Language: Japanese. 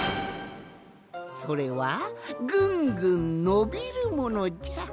それはぐんぐんのびるものじゃ。